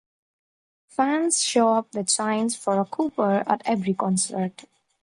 Fans show up with signs for Cooper at every concert.